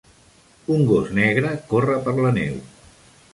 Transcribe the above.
Un gos negre corre per la neu.